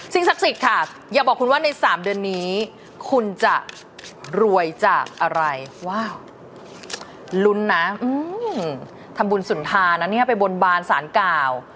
ศักดิ์สิทธิ์ค่ะอย่าบอกคุณว่าใน๓เดือนนี้คุณจะรวยจากอะไรว้าวลุ้นนะทำบุญสุนทานะเนี่ยไปบนบานสารกล่าว